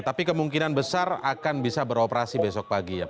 tapi kemungkinan besar akan bisa beroperasi besok pagi ya pak